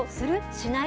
しない？